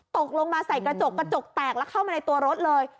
ตกลงมาใส่กระจกกระจกแตกแล้วเข้ามาในตัวรถเลย